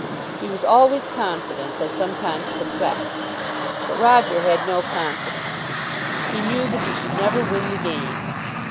He was always confident though sometimes perplexed. But Roger had no confidence. He knew that he should never win the game.